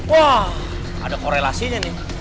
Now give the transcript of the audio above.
wah ada korelasinya nih